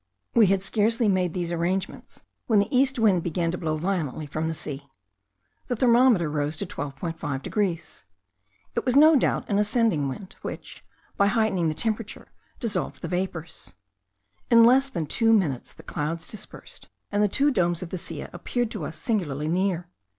We had scarcely made these arrangements when the east wind began to blow violently from the sea. The thermometer rose to 12.5 degrees. It was no doubt an ascending wind, which, by heightening the temperature, dissolved the vapours. In less than two minutes the clouds dispersed, and the two domes of the Silla appeared to us singularly near.